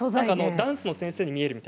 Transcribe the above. ダンスの先生に見えると。